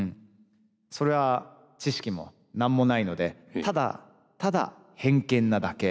それは知識も何もないのでただただ偏見なだけ。